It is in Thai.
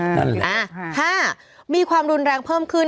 นั่นแหละค่ะค่ะค่ะ๕มีความรุนแรงเพิ่มขึ้น